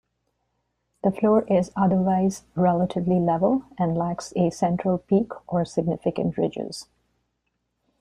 The floor is otherwise relatively level and lacks a central peak or significant ridges.